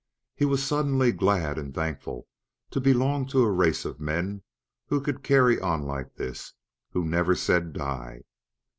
He was suddenly glad and thankful to belong to a race of men who could carry on like this who never said die.